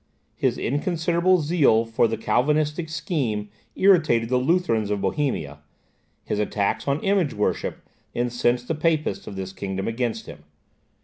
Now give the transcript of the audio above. His inconsiderate zeal for the Calvinistic scheme irritated the Lutherans of Bohemia, his attacks on image worship incensed the Papists of this kingdom against him.